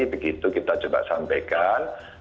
begitu kita coba sampaikan